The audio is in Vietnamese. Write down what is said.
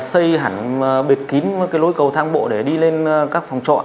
xây hẳn biệt kín cái lối cầu thang bộ để đi lên các phòng trọ